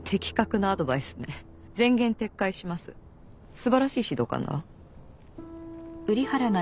素晴らしい指導官だわ。